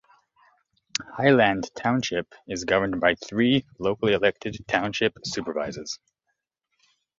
Highland Township is governed by three locally elected, Township Supervisors.